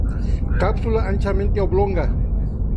Cápsula anchamente oblonga.